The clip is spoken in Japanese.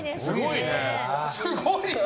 すごいね。